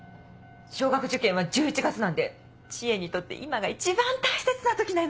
小学受験は１１月なんで知恵にとって今が一番大切な時なのに。